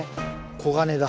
黄金だ。